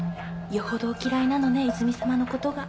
よほどお嫌いなのね泉さまのことが。